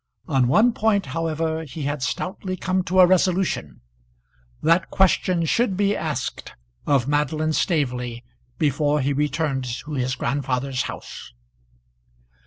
On one point, however, he had stoutly come to a resolution. That question should be asked of Madeline Staveley before he returned to his grandfather's house.